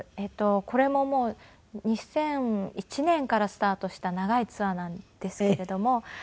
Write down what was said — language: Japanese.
これももう２００１年からスタートした長いツアーなんですけれども。